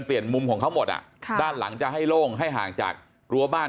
มุมของเขาหมดอ่ะค่ะด้านหลังจะให้โล่งให้ห่างจากรั้วบ้าน